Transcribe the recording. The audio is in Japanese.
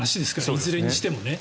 いずれにしても。